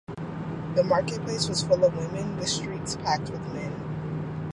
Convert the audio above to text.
The market-place was full of women, the streets packed with men.